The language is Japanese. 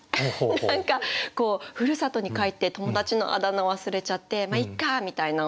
何かふるさとに帰って友達のあだ名忘れちゃってまあいっかみたいな。